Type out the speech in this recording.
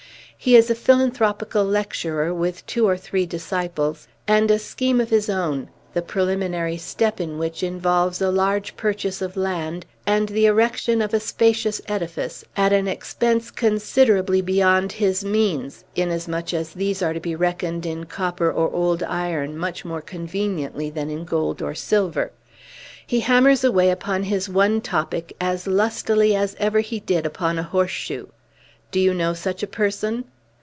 He is a philanthropical lecturer, with two or three disciples, and a scheme of his own, the preliminary step in which involves a large purchase of land, and the erection of a spacious edifice, at an expense considerably beyond his means; inasmuch as these are to be reckoned in copper or old iron much more conveniently than in gold or silver. He hammers away upon his one topic as lustily as ever he did upon a horseshoe! Do you know such a person?"